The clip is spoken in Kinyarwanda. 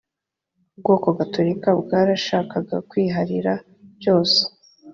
ubwoko gatorika bwarashakaga kwiharira byose